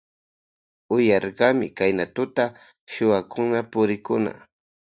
Uyarirkami Kayna tuta chuwakuna purikkuna.